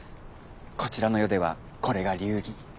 こちらの世ではこれが流儀。